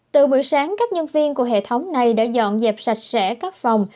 từ buổi sáng các nhân viên của hệ thống này đã dọn dẹp sạch sẽ các phòng